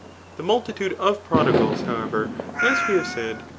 The multitude of prodigids, however, as we have said